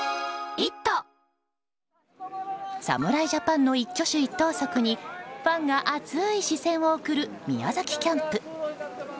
侍ジャパンの一挙手一投足にファンが熱い視線を送る宮崎キャンプ。